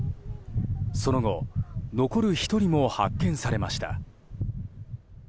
その後、残る１人も発見されました。